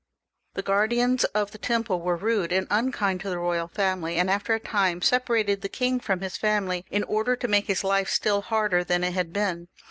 The guardians of the Temple were rude and unkind to the royal family, and after a time separated the king from his family in order to make his life still harder than it had been.